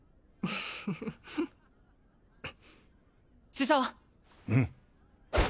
師匠うん？